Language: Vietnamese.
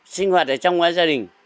sinh hoạt ở trong quán gia đình